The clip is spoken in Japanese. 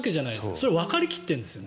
それはわかりきっているんですよね。